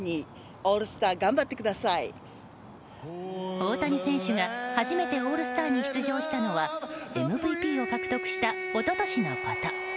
大谷選手が初めてオールスターに出場したのはＭＶＰを獲得した一昨年のこと。